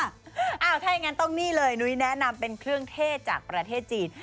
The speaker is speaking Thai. ถ้าอย่างนั้นต้องนี่เลยนุ้ยแนะนำเป็นเครื่องเทศจากประเทศจีน